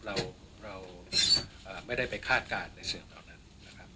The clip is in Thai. เราไม่ได้ไปคาดการณ์ในเชิงเหล่านั้นนะครับ